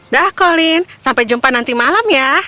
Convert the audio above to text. dah kolin sampai jumpa nanti malam ya